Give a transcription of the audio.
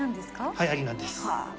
はやりなんです。